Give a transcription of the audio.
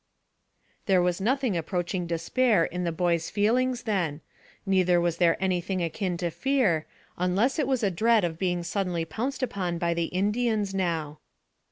There was nothing approaching despair in the boy's feelings then, neither was there anything akin to fear, unless it was a dread of being suddenly pounced upon by the Indians now.